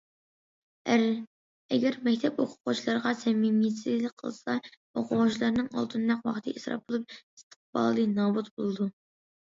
ئەگەر مەكتەپ ئوقۇغۇچىلارغا سەمىمىيەتسىزلىك قىلسا ئوقۇغۇچىلارنىڭ ئالتۇندەك ۋاقتى ئىسراپ بولۇپ، ئىستىقبالى نابۇت بولىدۇ.